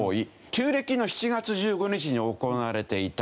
旧暦の７月１５日に行われていた。